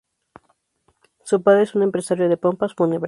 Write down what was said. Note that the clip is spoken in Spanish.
Su padre es un empresario de pompas fúnebres.